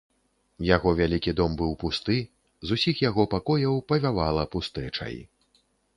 Яго вялікі дом быў пусты, з усіх яго пакояў павявала пустэчай.